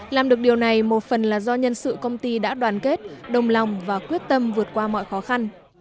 làm được điều này một phần là do nhân sự công ty đã đoàn kết đồng lòng và quyết tâm vượt qua mọi khó khăn